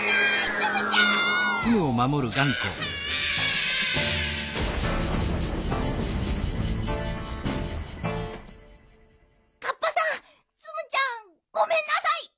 ツムちゃんごめんなさい！